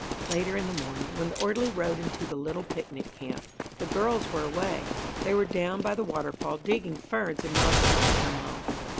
Later in the morning, when the orderly rode into the little picnic camp, the girls were away. They were down by the waterfall digging ferns and mosses to take home.